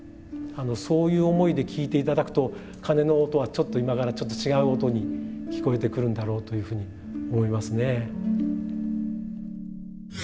そういう思いで聴いていただくと鐘の音は今からちょっと違う音に聞こえてくるんだろうというふうに思いますね。